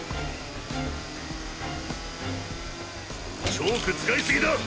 チョーク使いすぎだ。